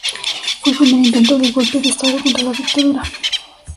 Fue el primer intento de golpe de estado contra la Dictadura.